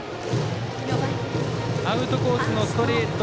アウトコースのストレート